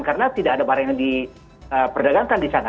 karena tidak ada barang yang diperdagangkan di sana